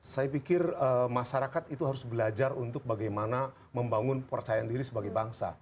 saya pikir masyarakat itu harus belajar untuk bagaimana membangun percaya diri sebagai bangsa